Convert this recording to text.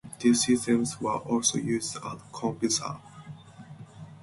These systems were also used at CompuServe.